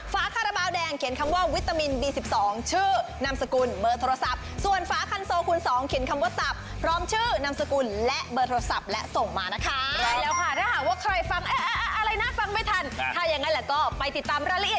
ฟ้าคาราบาวแดงเขียนคำว่าวิตามินบี๑๒ชื่อนามสกุลเมอร์โทรศัพท์